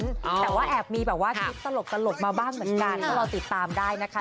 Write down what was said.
แต่ว่าแอบมีแบบว่าคลิปตลกมาบ้างเหมือนกันก็รอติดตามได้นะคะ